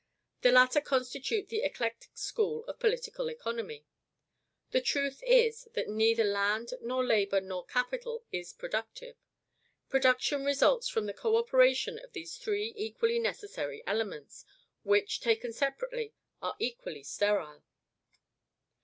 The latter constitute the eclectic school of political economy. The truth is, that NEITHER land NOR labor NOR capital is productive. Production results from the co operation of these three equally necessary elements, which, taken separately, are equally sterile.